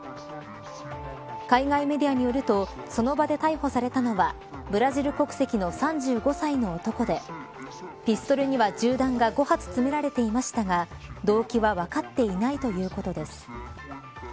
海外メディアによるとその場で逮捕されたのはブラジル国籍の３５歳の男でピストルには銃弾が５発、つめられていましたが動機は分かっていないということです。